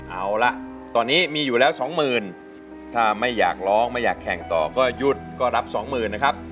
เอาล่ะตอนนี้มีอยู่แล้ว๒๐๐๐๐ถ้าไม่อยากร้องไม่อยากแข่งต่อก็หยุดก็รับ๒๐๐๐๐นะครับ